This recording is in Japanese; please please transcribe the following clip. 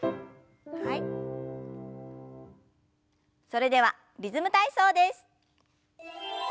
それでは「リズム体操」です。